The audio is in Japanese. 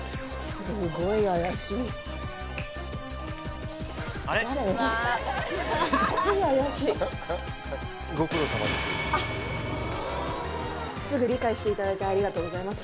すっごい怪しいご苦労さまですあっすぐ理解していただいてありがとうございます